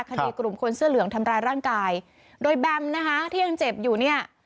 คดีกลุ่มคนเสื้อเหลืองทำร้ายร่างกายโดยแบมนะคะที่ยังเจ็บอยู่เนี่ย